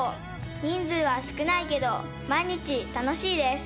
人数は少ないけど、毎日楽しいです。